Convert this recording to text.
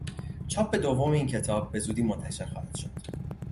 چاپ دوم این کتاب به زودی منتشر خواهد شد.